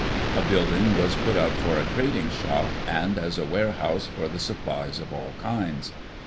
A building was put up for a trad ing shop and as a warehouse for the supplies of all kinds.